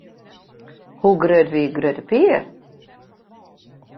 Hoe grut wie Grutte Pier?